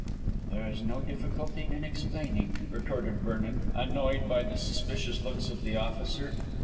"There is no difficulty in explaining," retorted Vernon, annoyed by the suspicious looks of the officer.